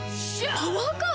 パワーカーブ⁉